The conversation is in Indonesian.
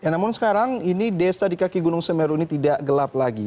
namun sekarang ini desa di kaki gunung semeru ini tidak gelap lagi